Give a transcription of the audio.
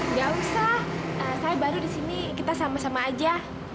enggak usah saya baru disini kita sama sama aja